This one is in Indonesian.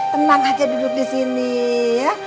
tenang aja duduk di sini ya